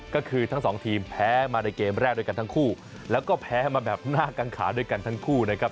ก็คือทั้งสองทีมแพ้มาในเกมแรกด้วยกันทั้งคู่แล้วก็แพ้มาแบบหน้ากังขาด้วยกันทั้งคู่นะครับ